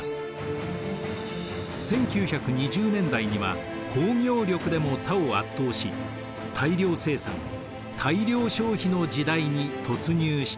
１９２０年代には工業力でも他を圧倒し大量生産大量消費の時代に突入してゆきます。